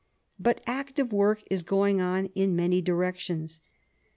But active work is going on in many directions.